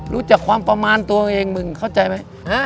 รู้จักความประมาณตัวเองมึงเข้าใจไหม